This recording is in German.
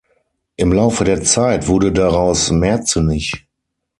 Im Laufe der Zeit wurde daraus "Merzenich".